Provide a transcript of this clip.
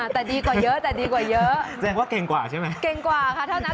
แต่ดีกว่าเยอะแต่ดีกว่าเยอะแสดงว่าเก่งกว่าใช่ไหมเก่งกว่าค่ะเท่านั้น